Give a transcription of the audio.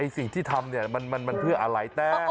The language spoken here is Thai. สิ่งที่ทำมันเพื่ออะไร